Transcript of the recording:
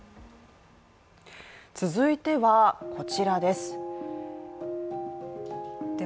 続いては、こちらです。